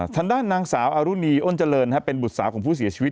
ทางด้านนางสาวอรุณีอ้นเจริญเป็นบุตรสาวของผู้เสียชีวิต